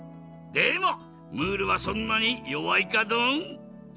でもムールはそんなによわいかドン？